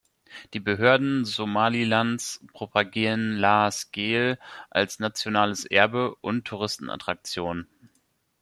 Die Behörden Somalilands propagieren Laas Geel als „nationales Erbe“ und Touristenattraktion.